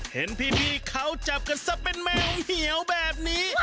เห็นพี่เขาจับกันซะเป็นแมงเหี่ยวแบบนี้